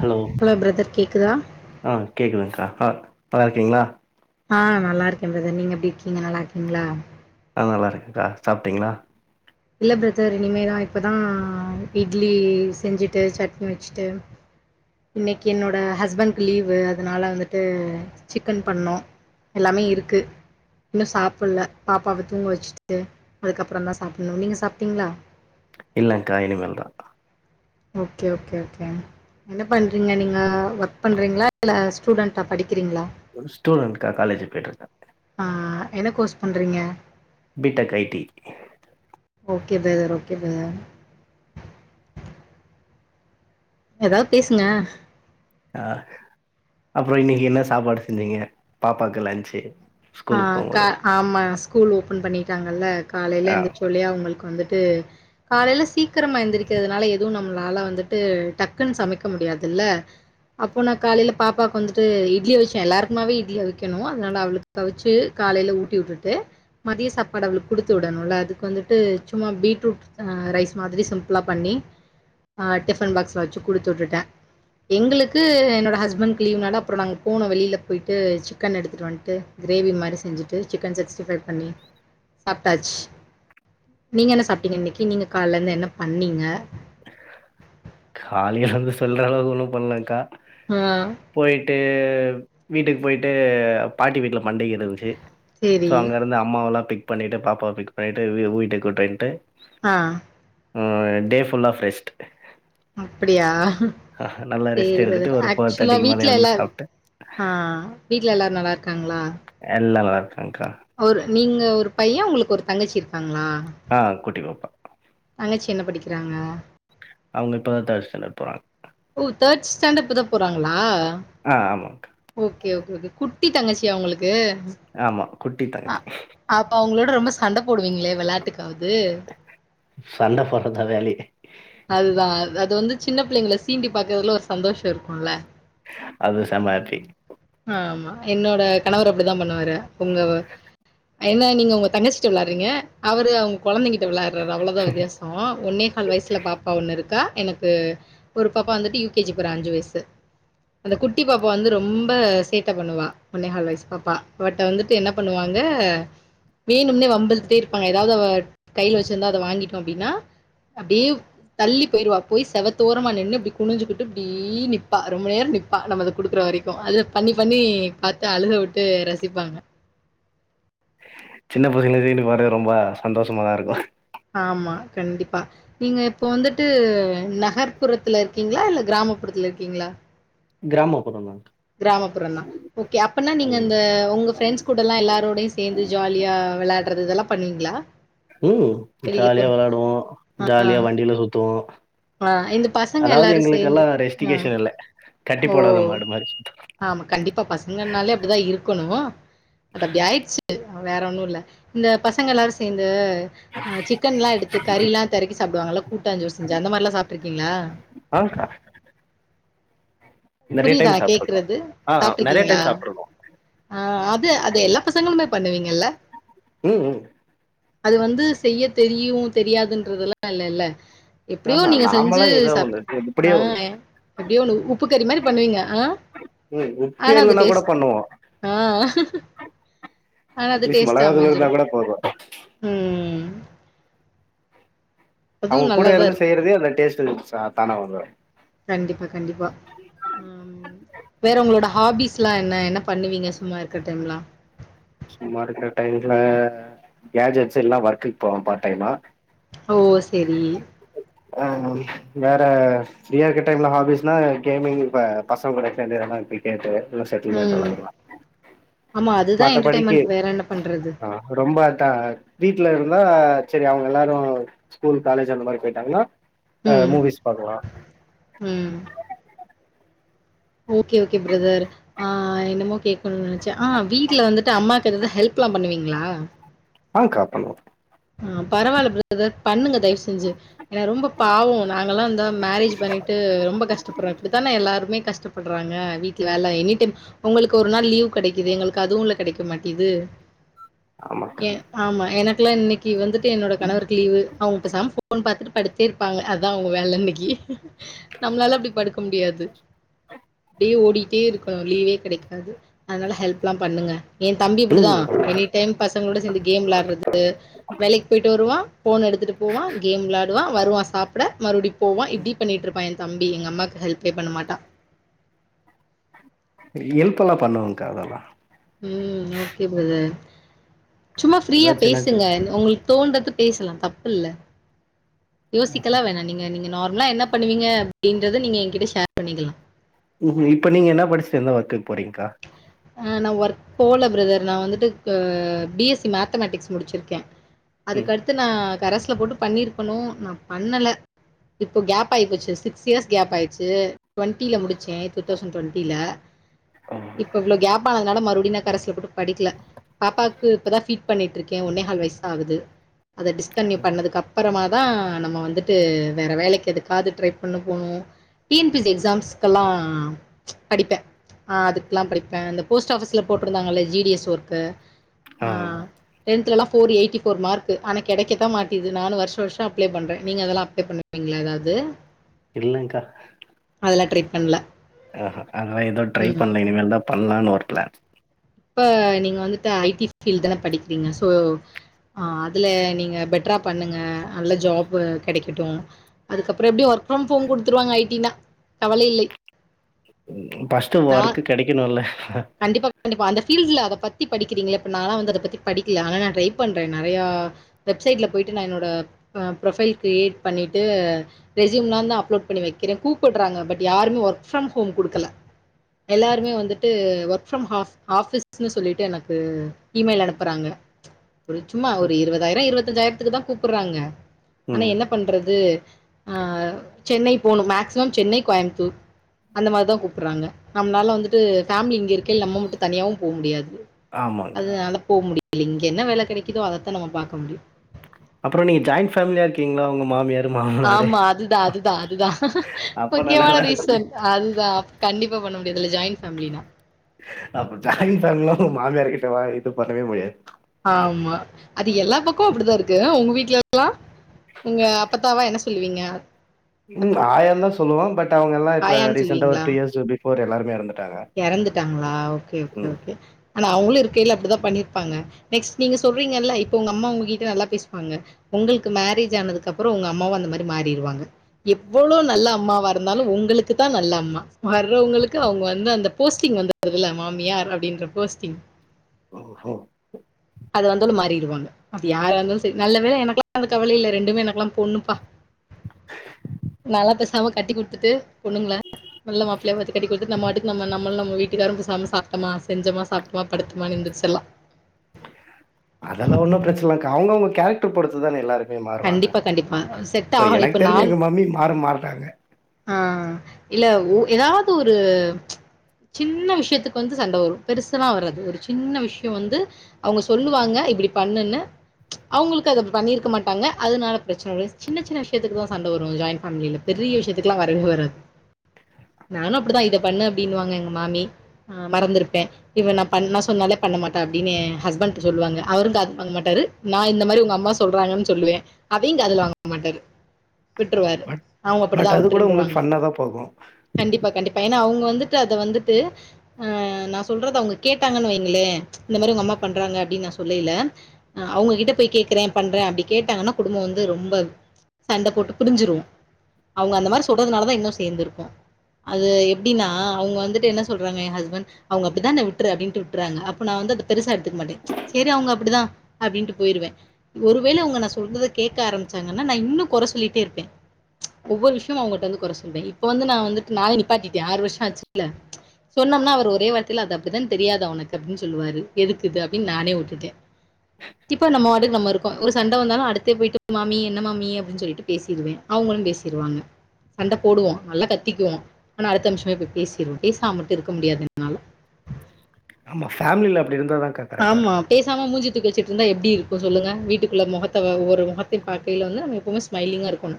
Hello brother கேக்குதா ஆ கேக்குதுங்கா ஆ நல்லா இருக்கீங்களா ஆ நல்லா இருக்கேன் பிரதர் நீங்க எப்படி இருக்கீங்க நல்லா இருக்கீங்களா ஆ நல்லா இருக்கேங்கா சாப்டீங்களா இல்ல பிரதர் இனிமேதா இப்பதா இட்லி செஞ்சுட்டு சட்னி வச்சுட்டு இன்னைக்கு என்னோட ஹஸ்பண்ட்க் லீவு அதனால வந்துட்டு சிக்கன் பண்ணோ எல்லாமே இருக்கு இன்னு சாப்புல்ல பாப்பாவ தூங்க வச்சுட்டு அதுக்கப்புறந்தா சாப் னும் நீங்க சாப்டீங்களா இல்லங்கா இனிமேல்தா ஓகே ஓகே ஓகே என்ன பண்றீங்க நீங்க ஒர்க் பண்றீங்களா இல்ல ஸ்டூடண்டா படிக் ஒரு ஸ்டூடன்ட் கா காலேஜ் பெய்ட்ருக்கே ஆ என்ன கோர்ஸ் பண்றீங்க B tech I T okay brother okay brother ஏதாது பேசுங்க அ அப்புறம் இன்னைக்கு என்ன சாப்பாடு செஞ்சீங்க பாப்பாக்கு லஞ்ச் ஆ கா ஆமா ஸ்கூல் ஓபன் பண்ணிட்டாங்கல்ல காலையில ஆ எந்திரச்ச சொல்லி அவங்களுக்கு வந்துட் டு காலைல சீக்கிரமா எந்திருக்கிறதுனால எதுவும் நம்மளால வந்துட்டு டக்குன்னு சமைக்க முடியாதுல்ல அப்போ நா காலையில பாப்பாவுக்கு வந்துட்டு இட்லிய அவிச்சே எல்லாருக்குமாவே இட்லி அவிக்கணும் அதனால அவளு க்கு அவிச்சு காலையல ஊட்டி உட்டுட்டு மதிய சாப்பாடு அவளுக்கு கொடுத்து விடணுல அதுக்கு வந்துட்டு சும்மா பீட்ரூட் அ ரைஸ் மாதிரி சிம்பிளா பண்ணி ஆ டிஃபன் பாக்ஸ்ல வச்சு குடுத்து உட்டுட்டே எங்களுக்கு என்னோட ஹஸ்பண்ட் லீ்வுனால அப்புறம் நாங்க போனோ வெளியில போய்ட்டு சிக்கன் எடுத்துட்டு வந்துட்டு கிரேவி மாரி செஞ்சுட்டு சிக்கன் சிக்ஸ்ட்டி ஃபைவ் பண்ணி சாப்ட்டாச்சு நீங்க என்ன சாப்ட்டீங்க இன்னிக்கு நீங்க கால்லேருந்து என்ன பண்ணீங்க காலில இருந்து சொல்ற அளவுக்கு ஒன்னும் பண்ணலங்கா ஆ போயிட்டு அ வீட்டுக்கு போயிட்டு பாட்டி வீட்ல மண்டைகள் இருந்துச்சு சரி. ஸோ அங்கேருந்து அம்மாவெலாம் பிக் பண்ணிட்டு பாப்பாவ பிக் பண்ணிட்டு வீ வீட்டை விட்டைன் கூட்டிட்டு அ ம் [unintelligible] ஃபுல் ஆஃப் ரெஷ்ட் அப்டியா செரி ரெஸ்ட் எடுத்துட்டு பிரதர் ஒரு ஃபோர் ஆக்சுவலா தேர்ட்டிக்கு மேல வீட்ல எழுந்து எல்லார சாப்ட்டு அ வீட்ல எல்லாரும் நல்லா இரு காங்ளா எல்லா நல்லாருக் அங்க்கா நீங்க ஒரு பைய உங்களுக்கு ஒரு தங்கச்சி இருக்காங்ளா அ குட்டி பாப்பா தங்கச்சி என்ன படிக்கிறாங்க அவுங்க இப்பதா தேர்டு ஸ்டாண்டர்ட் போறாங்க ஓ தேர்ட் ஸ்டாண்டர்ட் இப்பதா போறாங்களா ஆ ஆமாங்க்கா ஓகே ஓ குட்டி தங்கச்சியா உங்களுக்கு ஆமா குட்டி அ தங்கச்சி அப்ப அவுங்ள ரொம்ப சண்டை போடுவீங்களே விளையாட்டுக்கு சண்ட போறதா வேலையே அதுதான் அது வந்து சின்ன பிள்ளைங்களை சீண்டி பாாரக்குறதுல ஒரு சந்தோஷ இருக்குல அது செம ஹேப்பி ஆமா என்னோட கணவர் அப்படிதா பண்ணுவாரு உங்க என்ன நீங்க உங்க தங்கச்சிட்ட விளையாடுறீங்க அவரு அவங்க குழந்தைகிட் விளாடறது அவளோதா வித்தியாச ஒன்னே கால் வயசு பாப்பா ஒண்ணு இருக்கா எனக்கு ஒரு பாப்பா வந்துட்டு யுகேஜி போறா அஞ்சு வயசு அந்த குட்டி பாப்பா வந்து ரொம்ப சேட்டை பண்ணுவா ஒன்னேகால் வயசு பாப்பா அவள்ட்ட வந்துட்டு என்ன பண்ணுவாங்க வேணும்னே வம்பிலுதுட்டே இருப்பாங்க ஏதாவது கையில் வச்சுருந்தா அதை வாங்கிட்டோம் அப்படின்னா அப்படியே தள்ளி போயிருவா போயி செவத்தோரமா நின்னு இப்டி குனிஞ்சுகிட்டு இப்டி நிப்பா ரொம்ப நேர நிப்பா நம்ம அத குடுக்குற வரைக்கு அது பண்ணி பண்ணி பாத்து அழுக விட்டு ரசிப்பாங்க சின்ன பசங்க சீண்டி பாக்கரதே ரொம்ப சந்தோஷமாதா இருக்கும் ஆமா கண்டிப்பா நீங்க இப்ப வந்துட்டு நகர்ப்புறத்துல இருக்கீங்களா இல்ல கிராமப்புறத்துல இருக்கீங்களா கிராமப்புறந்தா கிராமப்புறந்தா ஓகே அப்பனா நீங்க ம் அந்த உங்க ஃப்ரெண்ட்ஸ் கூடல்லா எல்லாரோடையு சேந்து ஜாலியா விளாடறது இதல்லா பண்ணுவீங்களா ம் வெளில போ ஜாலியா வெளாடுவோ ஆ, ஜாலியா வண்டில சுத்துவோ ஆ இந்த பசங்க அதாவது எல்லாரு எங்களுக்கெல்லா சேந்து அ ரெஸ்டிகேஷன் இல்ல கட்டி ஓ போடாத மாடு மாரி ஆமா கண்டிப்பா பசங்கனாலே அப்படிதா இருக்கணு அது அப்டி ஆயிடுச்சு வேற ஒன்னும் இல்ல இந்த பசங்க எல்லாரும் சேர்ந்து அ சிக்கன் எல்லாம் எடுத்து கறி எல்லாம் திறக்கி சாப்படுவாங்கல்ல கூட்ட சோறு செஞ் அந்த மாதிரிலாம் சாப்பிட்டு இருக்கீங்களா ஆங்க்கா நெறைய புரியுதா டைம் நா சாப்ட்ருக்கோ கேக்குறது ஆ நெறைய சாப்ட்ருக்கீங்களா டைம் சாப்ட்ருக்கோ ஆ அது அது எல்லா பசங்களுமே பண்ணுவீங்கல்ல ம் ம் அது வந்து செய்ய தெரியு தெரியாதுன்றதெல்லா இல்லல எப்படியோ ஆஹா நீங்க செஞ்சு நாமல்லா ஏதோ சாப் ஒண்ணு ஆ இப்டியே ஒண்ணு எப்படியோ ஒன்னு உப்பு கறி மாரி பண்ணுவீங்க ஆ ம் உப்பே ஆனா அந்த இல்லன்னா கூட டேஸ்ட் பண்ணுவோ ஆ ஆனா அது அட்லீஸ்ட் டேஸ்ட் மொளகாத்தூள் அமஞ்சிரு இருந்தா கூட போது ம் அதுவும் அவங்க நல்லா தான் கூடயிருந்து இருக்கும். செய்யறதே அந்த டேஸ்டு ஸ் தானா வந்துரு கண்டிப்பா கண்டிப்பா ம் வேற ஒங்களோட ஹாபிஸ்லா என்ன என்ன பண்ணுவீங்க சும்மா இருக்க டைம்லாம் சும்மா இருக்கிற டைம்ல கேஜெட்ஸ்லா ஒர்க்குக்கு போவோ பார் டைம்மா ஓ செரி ஆ வேற ஃப்ரீயா இருக்க டைம்ல ஹாபீஸ்னா கேமிங் இப்ப பசங்க கூட சேந்துலா கிரிக்கெட்டு இல்ல செட்டில்மெண்ட் ம் வெளாடுவ ஆமா அதுதா மத்தபடிக்கு என்டர்டென்மென்ட் வேற என்ன பண்றது ஆ ரொம்ப வீட்ல இருந்தா செரி அவங்க எல்லாரு ஸ்கூல் காலேஜ் அந்த மாரி போய்ட்டாங்கன்னா ஆ ம், மூவிஸ் பாக்கலா ம். ஓகே ஓகே பிரதர் ஆ என்னமோ கே க்கனுன் நெனச்சே ஆ வீட்ல வந்துட்டு அம்மாக் எதாது ஹெல்ப்லா பண்ணுவீங்களா ஆங்க்கா பண்ணுவோ ஆ பரவால்ல பிரதர் பண்ணுங்க தயவு செஞ்சு ஏன்னா ரொம்ப பாவோ நாங்கல்லா இந்தா மேரேஜ் பண்ணிட்டு ரொம்ப கஷ்டப்படுறோ இப்படித்தானே எல்லாருமே கஷ் டப்படுறாங்க வீட்டு வேல எனிடைம் உங்களுக்கு ஒரு நாள் லீவ் கெடைக்குது எங்களுக்கு அதுவுல கெடைக்க மாட்டிது ஆமாக்கா ஏ ஆமா எனக் குலா இன்னைக் கி வந்துட் டு என்னோட கணவருக்கு லீவு அவங்க பேசாம போன் பாத்துட்டு படுத்தே இருப்பாங்க அதா அவங்க வேல இன்னைக்கி நம்மளால அப்படி படுக்க முடியாது அப்டியே ஓடிட்டே இருக்கணு லீவே கெடைக்காது அதனால ஹெல்ப்லா பண்ணுங்க என் தம்பி இப்படிதா ம் எனி டைம் பசங்களோட சேந்து கேம் வெளாடுறது போயிட்டு வருவா போன் எடுத்துட்டு போவா கேம் விளாடுவா வருவா சாப்ட மறுபடியு போவா இப்டி பண்ணிட்டு இருப்பா எ தம்பி எங்க அம்மாக்கு ஹெல்ப்பே பண்ண மாட்டா எல்ப்பல்லா பண்ணுவங்க்கா அதெல்லா ம் ஓகே ப்ரதர் சும்மா ஏதோ ஃப்ரீயா சின்ன பேசுங்க சின் உங்களுக் தோன்றது பேசலா தப்பில்ல யோசிக்கலா வேணா நீங்க நீங்க நார்மலா என்ன பண்ணுவீங்க அப்டின்றத நீங்க எங்கிட்ட ஷேர் பண்ணிக்கலா இப்ப நீங்க என்ன படிஸ்ட்டு எந்த ஒர்க்குக்கு போறீங்க்கா அஹ் நா ஒர்க் போல பிரதர் நா வந்துட்டு அ பி எஸ் சி மேத்தமெட்டிக்ஸ் முடிச்சிருக்கெ ம் அதுக்கடுத்து நா கரஸ்ல போட்டு பண்ணிருக்கணு நா பண்ணல இப்ப கேப் ஆய்போச்சி சிக்ஸ் இயர்ஸ் கேப் ஆயிச்சி டுவன்டில முடிச்சே டூ தௌசண்ட் டொண்ட்டில ஆ இப் ப்ப அதனால மறுபடியு நா கரஸ்ல போட்டு படிக்கல பாப்பாக் கு இப்பதா ஃபீட் பண்ணிட்டுருக்கே ஒன்னேஹால் வயசுதா ஆவுது அத டிஸ்கன்டினியூ பண்ணதுக்கப் பறமா தா நம்ம வந்துட்டு வேற வேலைக்கு எதுக்காது ட்ரை பண்ண போனோ T N P S C எக்ஸாம்ஸ்க்கெல்லா படிப்பே அதுக் குலா படிப்ப இந்த போஸ்ட் ஆஃபிஸ்ல போட்டிருந்தாங்கல்ல ஜி டி எஸ் ஒர்கு ஆ டென்த்லலா ஃபோர் எய்ட்டி ஃபோர் மார்க்கு ஆனா கெடைக்கத்தா மாட்டிது நானு வருஷ வருஷோ அப்ள பண்ணற நீங்க அதெல்லா அப்ள பண்ணுவீங்களா ஏதாது இல்லங்க்கா அதெல்லா ட்ரை பண்ல அஹா அதலா ஏதோ ட்ரை ம் பண்லைங் இனிமேல்தா பண்லான்னு ஒரு பிளான் இப்ப நீங்க வந்துட்டு ஐ டி ஃப்பீல்டு தானே படிக்கிறீங்க சோ அதுல நீங்க பெட்டரா பண்ணுங்க அதுல ஜாப்பு கெடைக்கட்டு அதுக்கப்புறோ எப்டியோ ஒர்க் ஃப்ரம் ஹோம் கொடுத்துருவாங்க ஐ டினா கவலை இல்லை ம் ஃபர்ஸ்ட்டு ஒர்க்கு கெடைக்கணுல்ல கண்டிப்பா‌ அந்த ஃபீல்டுல அத பத்தி படிக்கிறீங்கள இப்ப நாளா வந்து அத பத்தி படிக்கல ஆனா நா ட்ரை பண்ற நெறையா வெப்சைட்ல போயிட்டு நா என்னோட அ ப்ரொஃபைல் க்ரியேட் பண்ணிட்டு ரெசியூம்லா தா அப்லோட் பண்ணி வெக்கிறே கூப்புறாங்க பட் யாருமே ஒர்க் ஃப்ரம் ஹோம் குடுக்கல எல்லாருமே வந்துட்டு ஒர்க் ஃபரம் ஹாஃப் ஃப்பிஸ்ன்னு சொல்லிட்டு எனக்கு இமெயில் அனுப்புறாங்க ஒரு சும்மா ஒரு இருவதாயிரோ இருவத்தஞ்சாயிரத்துக்கு தா கூப்புறாங்க ஆனா ம். என்ன பண்றது ஆ சென்னை போணு மே மேக்ஸிமம் சென்னை கோயம்த்தூர் அந்த மாரி தா கூப்புறாங்க நம்மளால வந்துட்டு ஃபேமிலி இங்கருக் கில் நம்ம மட்டு தனியாவு போ முடியாது ஆமாங்க்கா. அதனால போ முடியு இல்ல இங்க என்ன வேல கெடைக்குதோ அதத்தா நம்ம பாக்க முடியு அப்புறோ நீங்க ஜாய்ன் ஃபேமிலியா இருக்கீங்களா உங்க மாமியார் மாமனாரு? ஆமா அதுதா அதுதா அதுதா அப்ப நான் முக்கியமான நல்லா இருக்குது. ரீசன்ட் அதுதா கண்டிப்பா பண்ண முடியதுல ஜாய்ன் அப் ஜாயின் ஃபேமிலிலா ஊ மாமியார் கிட்ட வா இது பண்ணவே முடியாத் ஆமா அது எல்லா பக்கொ அப்டிதா இருக்கு ஆ உங்க வீட்லல்லா உங்க அப்பத்தாவா என்ன சொல்லுவீங்க ம் ஆயான்தா சொல்லுவோ பட் அவுங்கல்லா இப்ப ஆயான்னு ரீசெண்ட்டா ஒரு சொல்லுவீங்களா டூ இயர்ஸ் பிஃபோர் எல்லார் மே எறந்துட் எறந்துட்டாங்களா ஓகே ஓகே ஓகே ஆனா அவுங்களு இரு க்கைல அப்டிதா பண்ணிருப்பாங்க நெக்ஸ்ட் நீங்க சொல்றீங்கல்ல இப்பொ உங்க அம்மா உங்க‌க்கிட்ட நல்லா பேசுவாங்க உங்களுக்கு மேரேஜ் ஆனதுக்கப்பறோ உங்க அம்மாவு அந்த மாரி மாறிடருவாங்க எவ்வளோ நல்லா அம்மாவா இருந்தாலு உங்களுக்குத்தா நல்ல அம்மா வர்றவங்களுக்கு அவுங்க வந்து அந் த போஸ்ட்டிங் வந்துர்துல மாமியார் அப்டின்ற போஸ்டிங் ஓஹோ! அது வந்தாலு மாறிருவாங் அது யாரா இருந்தாலு செரி நல்ல வேல எனக்லா அந்த கவலே இல்ல ரெண்டுமே எனக்லா பொண்ணுப்பா நல்லா பேஸ் நம்ம கட்டி குடுத்துட்டு பொண்ணுங்கள நல்ல மாப்ளையா பாத்து கட்டி குடுத்துட்டு நம்ம பாட்டுக் நம்மள் நம்ம வீட்டுக்காரும் பேசாம சாப்ட்டமா செஞ்சமா சாப்ட்டமா படுத்தமானு இருந்துச் செல்லா அதெல்லா ஒன்னு பிரச்சன இல்லக்கா அவங்கவுங்க கேரக்டர் பொருத்துதானே எல்லாரு மே மாறுவாங்க கண்டிப்பா கண்டிப்பா செட் சோ ஆகணும் இப்ப எனக் தெரிஞ்சு நான் எங்க மம்மி மாற மாட்டாங்க ஆ இல்ல உ ஏதாது ஒரு சின்ன விஷ்யத்துக்கு வந்து சண்ட வரு பெருசெல்லா வராது ஒரு சின்ன விஷ்யோ வந்து அவங்க சொல்லுவாங்க இப்டி பண்ணுன்னு அவங்களுக்கு அத பண்ணிருக்க மாட்டாங்க அதனால பிரச்சன வரு சின்ன சின்ன விஷ்யத்துக்கு தா சண்ட வரு ஜாயிண்ட் ஃபேமிலில பெரிய விஷ்யத் துக்கெல்லா வரவே வராது நானு அப்டி தா இத பண்ணு அப்டினுவாங்க எங்க மாமி் அ மறந்திருப்பே இவ நா பண்ண சொன்னாலே பண்ண மாட்ட அப்டினு ஹஸ்பண்ட் சொல்லுவாங்க அவரு காது வாங்க மாட்டாரு நா இந்த மாரி உங்க அம்மா சொல்றாங்கன் சொல்லுவே அதையு காதுல வாங்க மாட்டாரு விட்டுருவாரு அவுங்க அப்படி தா வந்து கூட உங்களுக்கு ஃபன்னா தா போகு துட்டு அத வந்துட்டு ஆ நா சொல்றது அவங்க கேட்டாங்கன் வைங்களே இந்த மாரி உங்கம்மா பண்றாங்க அப்டின் நா சொல்லய்ல அவங்க கிட்ட போய் கேக்குறே பண்றே அப்டி கேட்டாங்கன்னா குடும்போ வந்து ரொம்ப சண்ட போட்டு பிரிஞ்சிரு அவங்க அந்த மாரி சொல்றனால தா இன்னு சேந்து இருக்கோ அது எப்டினா அவங்க வந்துட்டு என்ன சொல்றாங்க எ ஹஸ்பண்ட் அவுங்க அப்டிதான விட்ரு அப்டின்ட்டு விட்றாங்க அப்ப நா வந்து அத பெருசா எடுத்துக்க மாட்டே செரி அவுங்க அப்டி தா அப்டீன்டு போய்டுவே ஒரு வேல நா சொல்றத கேக்க ஆரம்பிச்சாங்கனா இன்னு கொற சொல்லிட்டே இருப்பே ஒவ்வொரு விஷ் யத்திலு அவங்கிட்ட வந்து கொற சொல்வே இப்ப வந்து நா வந்துட்டு நானே நிப்பாட்டிட்டே ஆறு வர்ஷோ ஆச்சுல்ல சொன்னம்னா அவர் ஒரே வார்த்தில அது அப்டிதான் தெரியாதா ஒனக்கு அப்டின் சொல்லுவாரு எதுக்கிது அப்டின் நானே உட்டுட்டே இப்ப நம்ம பாட்டுக்கு நம்ம இருக்கோ ஒரு சண்ட வந்தாலு அடுத்தே போயிட்டு மாமி என்ன மம்மி அப்டின் சொல்லிட்டு பேசிருவே அவங்களு பேசிருவாங்க சண்ட போடுவோ நல்லா கத்திக்குவோ ஆனா அடுத்த நிமிஷமே போய் பேசிடுவோ பேசாமாமட்டு இருக்க முடியாது என்னால ஆமா ஃபேமிலில அப்படி இருந்தா தான்க்கா கரெக்ட்டா ஆமா இருக்கும். பேசாம மூஞ்சிய தூக்கிவச்சிட்டு இருந்தா எப்டி இருக்கு சொல்லுங்க வீட்டுக்குள்ள முகத்த ஒரு ஒரு வாட்டி பாக்கையில வந்து நம்ம எப்புமே ஸ்மைைலிங்கா இருக்கணு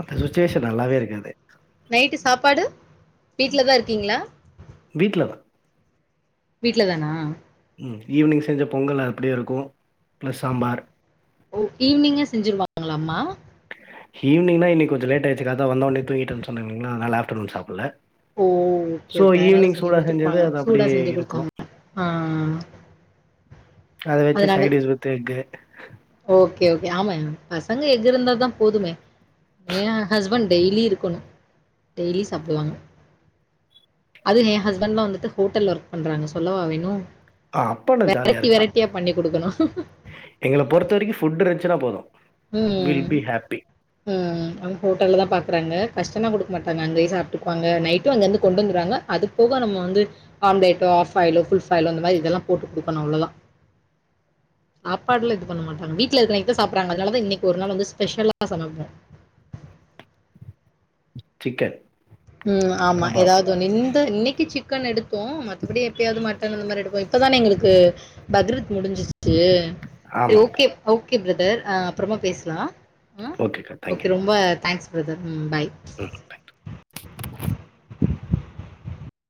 அந்த சுச்சுவேஷன் நல்லாவே இருக்காது வீட்ல தா இருக்கீங்களா வீட்ல தா வீட்ல தானா ம் ஈவினிங் செஞ்ச பொங்கல் அப்டியே இருக்கு ஓ ஈவினிங்கா செஞ்சிருவா ங்ளாமா ஈவினிங்னா இன்னிக் கொஞ்ச லேட் ஆயிச்சுக்கா அதா வந்த ஒட்னே தூங்கிட்டன் சொன்னே இல்லைங்களா அதனால ஆப் டர்நூன் சாப்பிட்ல ஓ ஓகே ஓகே அதனால செஞ்சு செஞ்சது குடுத்துருப்பாங்க அது சூடா அப்படியே செஞ்சு இருக்கும். குடுத்தாங்க ஆ அத வச்சு அதனால side dish with egg okay okay ஆமா பசங்க எக்கு இருந்தா தா போதுமே எ ஹஸ்பண்ட் டெய்லி இருக்கணு டெய்லி சாப்பிடுவாங்க அது எ ஹஸ்பண்ட்லா வந்துட்டு ஹோட்டல்ல ஒர்க் பண்றாங்க சொல்லவா வேணு அ அப்ப நான் ஜாலியா வெரைட்டி இருக்கலாம். வெரைட்டியா பண்ணி குடுக்குணு பொறுத்த வரைக்கு ஃபுட்டு இருன்சினா போது ம் ம் அவங்க ஹோட்டல்ல தா பாக்குறாங்க கஷ்டன்னா குடுக்க மாட்டாங்க அங்கயே சாப்ட்டுக்குவாங்க நைட்டு அங்கிருந்து கொண்டு வந்துருவாங்க அது போக நம்ம வந்து ஆம்லேட்டோ ஆஃப் பாய்லோ ஃபுல்பாய்லோ இந்த மாரி இதெல்லா போட்டுகுடுக்கணு அவ்ளதா சாப்பாடுல இது பண்ண மாட்டாங்க வீட்ல இருக்கிற அன்னிக்கு தா சாப்ட்றாங்க அதனால தா இன்னைக்கு ஒரு நாள் வந்து ஸ்பெஷலா சமப்போ சிக்கன் ம் ஆமா கபாப். ஏதாது ஒன்னு இந்த இன்னைக்கு சிக் க்கன் எடு தோ மத்தப்படி எப்பயாது மட் டன் அந்த மாரி எடுப்போ இப்பதானே எங்களுக்கு பக்ரீத் முடிஞ்சி [inaudible] செ ஆமாங்க. ஓகே ஓக் ஓகே ப்ரதர் ஆ அப்றமா பேஸ்லா ஆ ஓகேக்கா. Thank you. ஓகே ரொம்ப தேங்க்ஸ் ப்ரதர் ம் பாய் ம் தேங்க்யூ